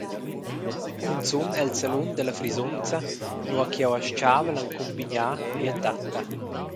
Cunzun el salun dalla frisunza, nua ch’jeu astgavel accumpignar mia tatta.